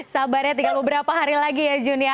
sabarnya tinggal beberapa hari lagi ya jun ya